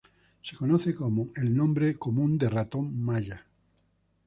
Se conoce con el nombre común de Ratón Maya.